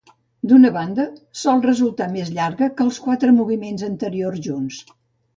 D'una banda, sol resultar més llarga que els quatre moviments anteriors junts.